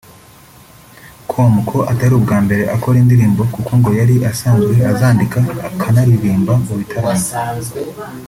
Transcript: com ko atari ubwa mbere akora indirimbo kuko ngo yari asanzwe azandika akanaririmba mu bitaramo